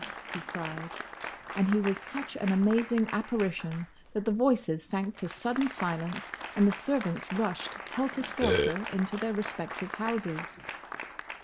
he cried; and he was such an amazing apparition that the voices sank to sudden silence and the servants rushed, helter skelter, into their respective houses.